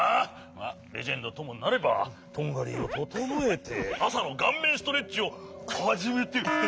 まあレジェンドともなればトンガリをととのえてあさのがんめんストレッチをはじめて。